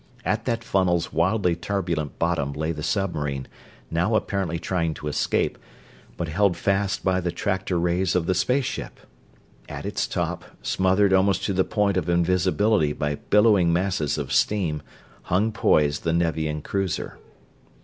At that funnel's wildly turbulent bottom lay the submarine, now apparently trying to escape, but held fast by the tractor rays of the space ship; at its top, smothered almost to the point of invisibility by billowing masses of steam, hung poised the Nevian cruiser.